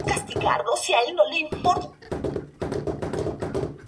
Hoy, una calle de esa ciudad lleva su nombre.